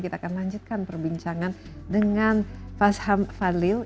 kita akan lanjutkan perbincangan dengan fasham fadlil